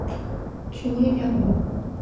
曲目列表